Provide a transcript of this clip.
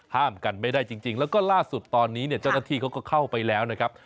ห้ามกันไม่ได้จริงแล้วก็ล่าสุดตอนนี้เนี่ยเจ้าหน้าที่เขาก็เข้าไปแล้วนะครับ